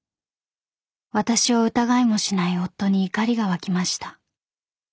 ［私を疑いもしない夫に怒りが湧きました］